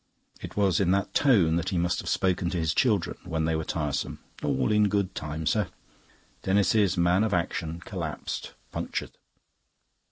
It was in that tone that he must have spoken to his children when they were tiresome. "All in good time, sir." Denis's man of action collapsed, punctured.